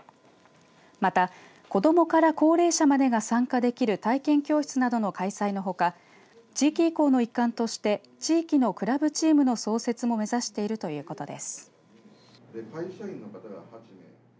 また、子どもから高齢者までが参加できる体験教室などの開催のほか地域移行の一環として地域のクラブチームの創設も目指しているということです。